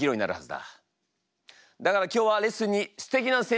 だから今日はレッスンにすてきな先生をお呼びした。